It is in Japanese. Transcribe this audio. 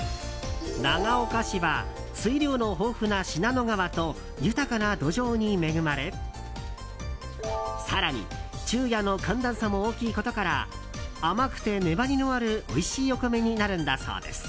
長岡市は水量の豊富な信濃川と豊かな土壌に恵まれ更に昼夜の寒暖差も大きいことから甘くて粘りのあるおいしいお米になるんだそうです。